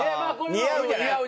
似合うんじゃない？